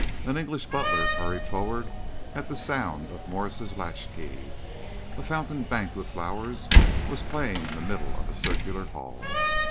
An English butler hurried forward at the sound of Morse's latchkey. A fountain banked with flowers was playing in the middle of a circular hall.